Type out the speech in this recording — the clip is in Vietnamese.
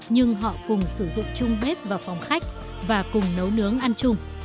nhưng họ cùng sử dụng chung bếp vào phòng khách và cùng nấu nướng ăn chung